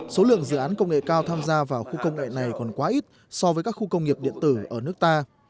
số lượng dự án công nghệ cao tham gia vào khu công nghệ này còn quá ít so với các khu công nghiệp điện tử ở nước ta